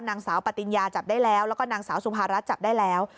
นางสาวปติญญาจับได้แล้วแล้วก็นางสาวสุภารัฐจับได้แล้ว